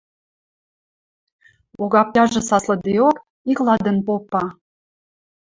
Огаптяжы саслыдеок, икладын попа: